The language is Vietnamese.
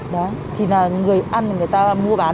đấy thì là người ăn người ta mua bán